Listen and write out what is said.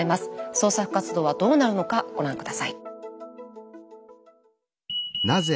捜索活動はどうなるのかご覧下さい。